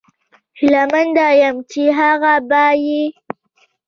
هیله مند یم چې ښه به یې